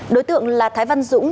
đối tượng là thái văn dũng